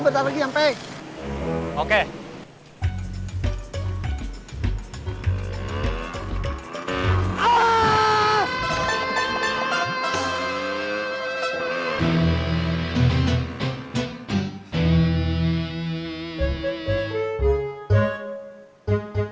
sebagai tukang tanda barang curian